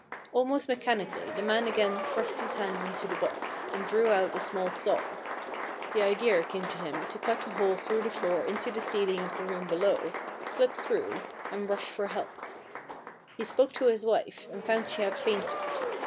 "Almost mechanically the man again thrust his hand into the box, and drew out a small saw. The idea came to him to cut a hole through the floor into the ceiling of the room below, slip through, and rush for help. He spoke to his wife, and found she had fainted.